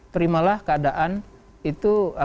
terimalah keadaan itu